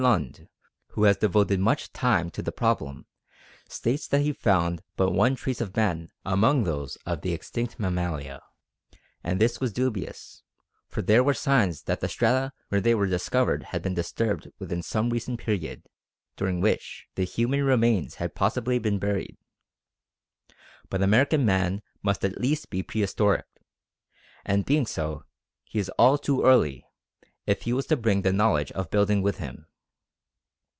Lund, who has devoted much time to the problem, states that he found but one trace of man among those of the extinct mammalia, and this was dubious, for there were signs that the strata where they were discovered had been disturbed within some recent period during which the human remains had possibly been buried. But American Man must at least be prehistoric; and being so, he is all too early, if he was to bring the knowledge of building with him.